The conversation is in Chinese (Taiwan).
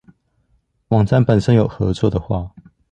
網站本身有合作的話